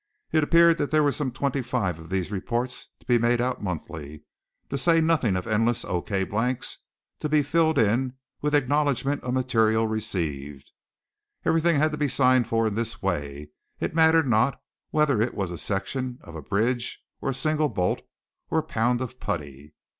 It appeared that there were some twenty five of these reports to be made out monthly, to say nothing of endless O. K. blanks to be filled in with acknowledgments of material received. Everything had to be signed for in this way, it mattered not whether it was a section of a bridge or a single bolt or a pound of putty.